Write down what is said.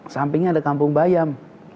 sampingnya ada kampung bayam